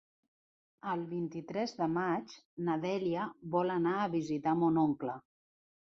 El vint-i-tres de maig na Dèlia vol anar a visitar mon oncle.